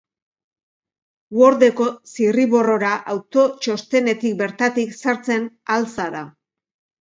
Word-eko zirriborrora autotxostenetik bertatik sartzen ahal zara.